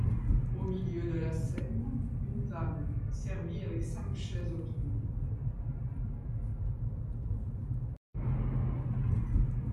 Au milieu de la scène, une table servie avec cinq chaises autour.